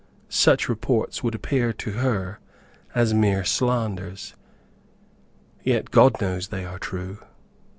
Such reports would appear to her as mere slanders, yet God knows they are true.